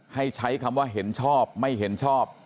ให้ใช้คำว่าเห็นชอบไม่เห็นชอบ